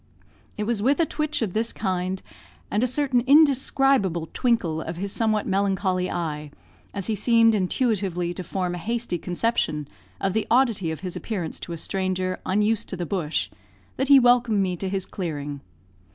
It was with a twitch of this kind, and a certain indescribable twinkle of his somewhat melancholy eye, as he seemed intuitively to form a hasty conception of the oddity of his appearance to a stranger unused to the bush, that he welcomed me to his clearing.